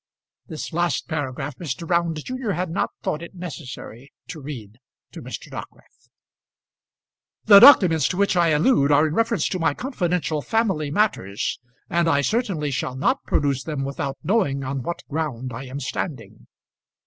This last paragraph, Mr. Round junior had not thought it necessary to read to Mr. Dockwrath. "The documents to which I allude are in reference to my confidential family matters; and I certainly shall not produce them without knowing on what ground I am standing."